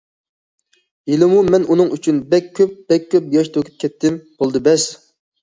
ھېلىمۇ مەن ئۇنىڭ ئۈچۈن بەك كۆپ، بەك كۆپ ياش تۆكۈپ كەتتىم، بولدى بەس!